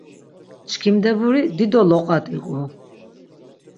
Çkimdeburi dido loqa diqu.